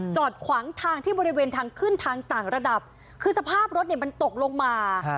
จอดขวางทางที่บริเวณทางขึ้นทางต่างระดับคือสภาพรถเนี่ยมันตกลงมา